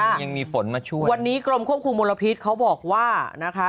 ยังมีฝนมาช่วยวันนี้กรมควบคุมมลพิษเขาบอกว่านะคะ